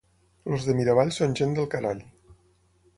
Els de Miravall són gent del carall.